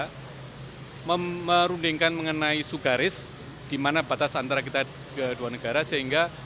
kita merundingkan mengenai sukaris di mana batas antara kita dua negara